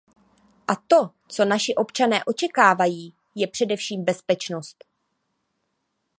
A to, co naši občané očekávají, je především bezpečnost.